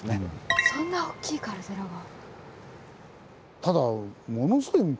そんな大きいカルデラが。